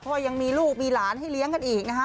เพราะยังมีลูกมีหลานให้เลี้ยงกันอีกนะฮะ